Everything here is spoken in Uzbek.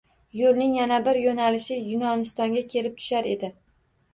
Yoʻlning yana bir yoʻnalishi Yunonistonga kelib tushar edi.